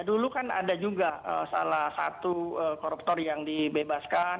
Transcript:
dulu kan ada juga salah satu koruptor yang dibebaskan